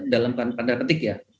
dalam pandang petik ya